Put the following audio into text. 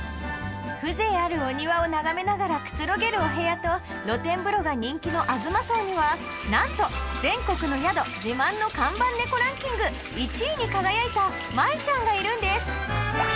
風情あるお庭を眺めながらくつろげるお部屋と露天風呂が人気のあづま荘にはなんと全国の宿自慢の看板猫ランキング１位に輝いたまいちゃんがいるんです